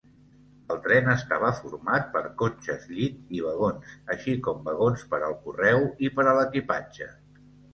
El tren estava format per cotxes llit i vagons, així com vagons per al correu i per a l'equipatge.